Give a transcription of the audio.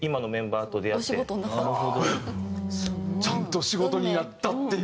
ちゃんと仕事になったっていう。